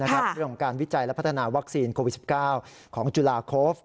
เรื่องของการวิจัยและพัฒนาวัคซีนโควิด๑๙ของจุฬาโคฟ